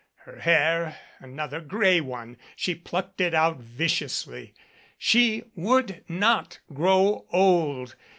Her hair another gray one she plucked it out viciously. She would not grow old.